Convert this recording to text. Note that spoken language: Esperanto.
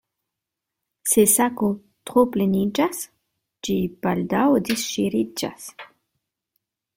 Se sako tro pleniĝas, ĝi baldaŭ disŝiriĝas.